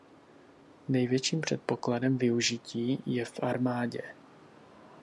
Největším předpokladem využití je v armádě.